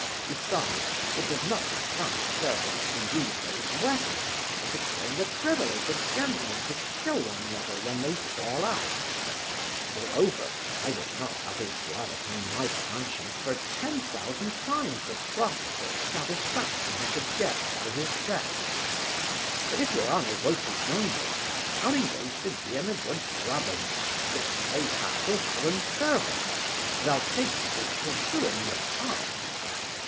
Besides, it doth not become servants to use those weapons, or to claim the privilege of gentlemen to kill one another when they fall out; moreover, I would not have his blood upon my conscience for ten thousand times the profit or satisfaction I should get by his death; but if your honour won't be angry, I'll engage to gee 'en a good drubbing, that, may hap, will do 'en service, and I'll take care it shall do 'en no harm.